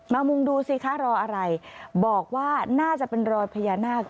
มุงดูสิคะรออะไรบอกว่าน่าจะเป็นรอยพญานาค